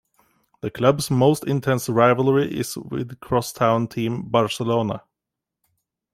The club's most intense rivalry is with crosstown-team Barcelona.